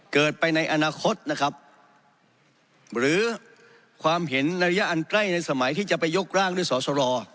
เกิดไปในอนาคตนะครับหรือความเห็นระยะอันใกล้ในสมัยที่จะไปยกร่างด้วยสอสร